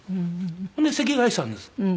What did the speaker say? ほんで席替えしたんです。